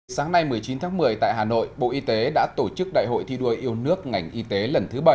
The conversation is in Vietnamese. sáng nay một mươi chín tháng một mươi tại hà nội bộ y tế đã tổ chức đại hội thi đua yêu nước ngành y tế lần thứ bảy